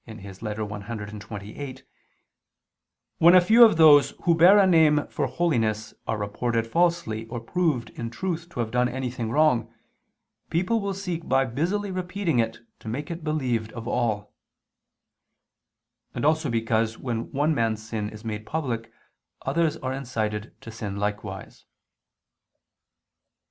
ad pleb. Hipponens. lxxviii): "When a few of those who bear a name for holiness are reported falsely or proved in truth to have done anything wrong, people will seek by busily repeating it to make it believed of all": and also because when one man's sin is made public others are incited to sin likewise.